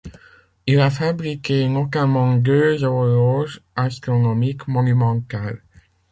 Il a fabriqué notamment deux horloges astronomiques monumentales.